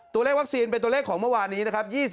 ตัวเลขวัคซีนเป็นตัวเลขของเมื่อวานนี้นะครับ